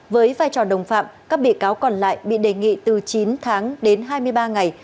với vai trò đồng phạm các bị cáo còn lại bị đề nghị từ chín tháng đến hai mươi ba ngày